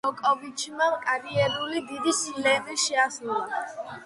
ამ მოგებით, ჯოკოვიჩმა კარიერული დიდი სლემი შეასრულა.